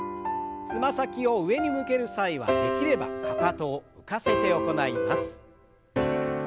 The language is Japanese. つま先を上に向ける際はできればかかとを浮かせて行います。